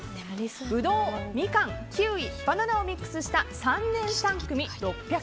ブドウ、みかん、キウイバナナをミックスした３年３組、６００円。